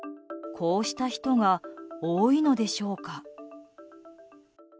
こうした人が多いのでしょうか。